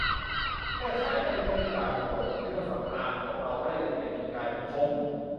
แก้ไขได้ด้วยการบดเครื่องสำอางของเราให้ละเอียดจนกลายเป็นผง